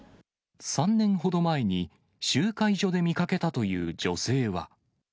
３年ほど前に、集会所で見かけたという女性は。